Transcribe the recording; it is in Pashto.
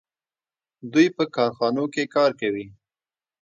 دوی په کارخانو کې کار کوي.